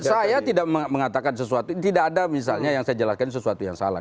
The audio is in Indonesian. saya tidak mengatakan sesuatu tidak ada misalnya yang saya jelaskan sesuatu yang salah